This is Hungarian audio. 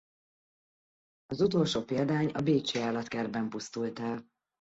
Az utolsó példány a Bécsi Állatkertben pusztult el.